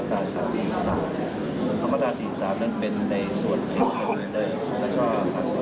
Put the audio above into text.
ธรรมดาศิสามนั้นเป็นในส่วนศนะศิสิพิมันเดิม